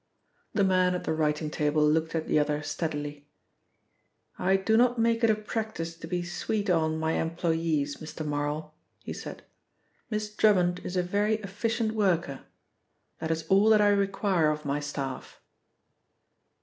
The man at the writing table looked at the other steadily. "I do not make it a practice to be 'sweet on' my employees, Mr. Marl," he said. "Miss Drummond is a very efficient worker. That is all that I require of my staff."